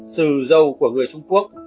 xì dầu của người trung quốc